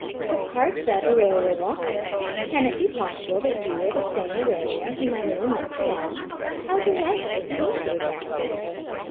"The card said, 'Aurelia Walker.' Can it be possible that you are the same Aurelia whom I knew in Montreal? How delightful to meet you again."